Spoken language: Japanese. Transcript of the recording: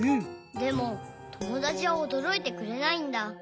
でもともだちはおどろいてくれないんだ。